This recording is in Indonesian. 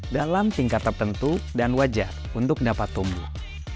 dalam tingkat tertentu dan wajar untuk dapat tumbuh